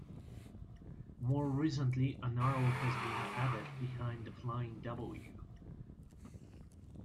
More recently an arrow has been added behind the "Flying W".